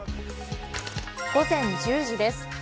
午前１０時です。